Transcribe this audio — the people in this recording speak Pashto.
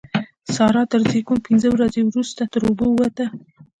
سارا تر زېږون پينځه ورځې روسته تر اوبو ووته.